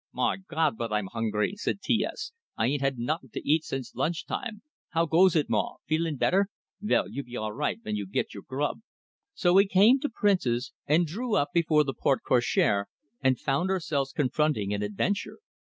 "My Gawd, but I'm hungry!" said T S. "I ain't had nuttin' to eat since lunch time. How goes it, Maw? Feelin' better? Vell, you be all right ven you git your grub." So we came to Prince's, and drew up before the porte cochere, and found ourselves confronting an adventure.